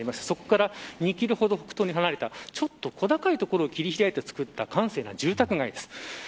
そこから２キロほど北東に離れた小高い所を切り開いて作った閑静な住宅街です。